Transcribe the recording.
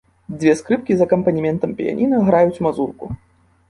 Дзве скрыпкі з акампанементам піяніна граюць мазурку.